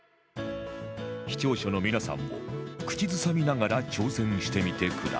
視聴者の皆さんも口ずさみながら挑戦してみてください